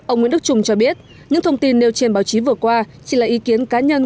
ông nguyễn đức trung cho biết những thông tin nêu trên báo chí vừa qua chỉ là ý kiến cá nhân